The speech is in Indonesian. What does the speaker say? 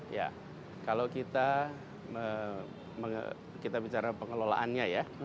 ya kalau kita bicara pengelolaannya ya